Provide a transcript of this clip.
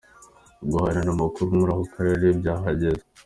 Guhanahana amakuru muri ako karere vyahagaze.